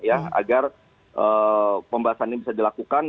agar pembahasan ini bisa dilakukan